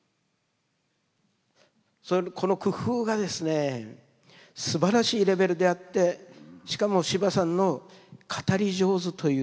この工夫がですねすばらしいレベルであってしかも司馬さんの語り上手という天性のね